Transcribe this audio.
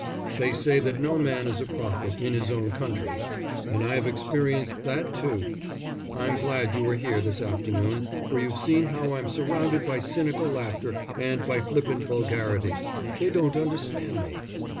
They say that no man is a prophet in his own country, and I have experienced that too. I'm glad you were here this afternoon, for you've seen how I'm surrounded by cynical laughter and by flippant vulgarity. They don't understand me."